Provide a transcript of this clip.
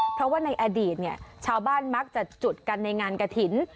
เพราะว่าในอดีตเนี่ยชาวบ้านมักจะจุดกันในงานกระถิ่น